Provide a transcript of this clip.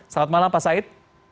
selamat malam pak said